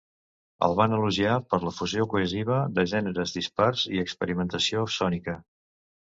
El van elogiar per la fusió cohesiva de gèneres dispars i l'experimentació sònica.